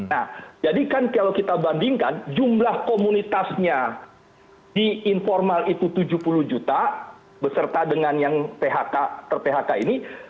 nah jadi kan kalau kita bandingkan jumlah komunitasnya di informal itu tujuh puluh juta beserta dengan yang ter phk ini